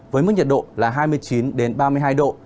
với mức nhiệt độ là hai mươi chín ba mươi hai độ